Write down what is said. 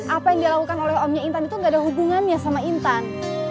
apa yang dilakukan oleh omnya intan itu gak ada hubungannya sama intan